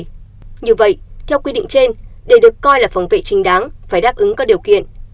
như vậy theo quy định trên để được coi là phòng vệ trình đáng phải đáp ứng các điều kiện